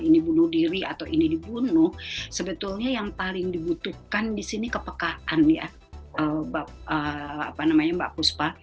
ini bunuh diri atau ini dibunuh sebetulnya yang paling dibutuhkan di sini kepekaan ya mbak puspa